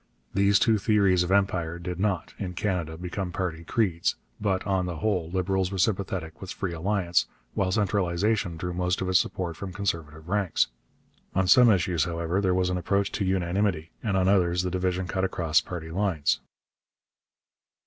These two theories of empire did not, in Canada, become party creeds; but, on the whole, Liberals were sympathetic with free alliance, while centralization drew most of its support from Conservative ranks. On some issues, however, there was an approach to unanimity, and on others the division cut across party lines.